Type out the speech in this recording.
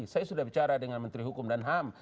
saya sudah bicara dengan menteri hukum dan ham